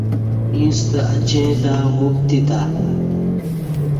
ییݩستہ اچیں تہ وپتی تہ